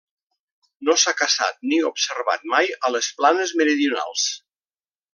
No s'ha caçat ni observat mai a les planes meridionals.